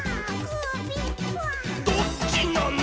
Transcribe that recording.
どっちなの！